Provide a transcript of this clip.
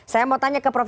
saya mau tanya ke prof